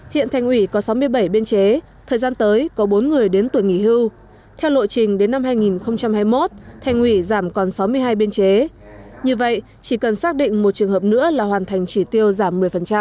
hiện thành ủy có sáu mươi bảy biên chế thời gian tới có bốn người đến tuổi nghỉ hưu theo lộ trình đến năm hai nghìn hai mươi một thành ủy giảm còn sáu mươi hai biên chế như vậy chỉ cần xác định một trường hợp nữa là hoàn thành chỉ tiêu giảm một mươi